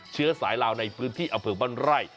เชื้อสายลาวในพื้นที่อำเภอบ้านไร่